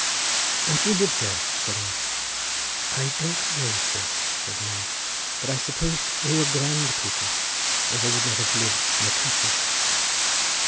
"And who lived there?" said I. "I don't know, sir," said the man. "But I suppose they were grand people or they would not have lived in a castle."